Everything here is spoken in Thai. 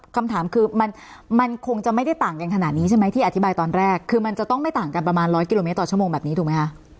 คำถามคือมันคงจะไม่ได้ต่างกันขนาดนี้ใช่ไหมที่อธิบายตอนแรกคือมันจะต้องไม่ต่างกันประมาณ๑๐๐กิโลเมตรต่อชั่วโมงแบบนี้ถูกไหมคะ